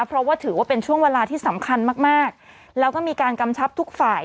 เพราะว่าถือว่าเป็นช่วงเวลาที่สำคัญมากมากแล้วก็มีการกำชับทุกฝ่าย